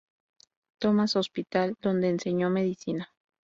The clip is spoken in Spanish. Thomas Hospital, donde enseñó medicina.